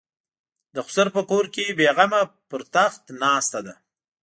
د خسر په کور کې بې غمه په تخت ناسته ده.